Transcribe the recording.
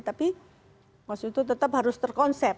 tapi waktu itu tetap harus terkonsep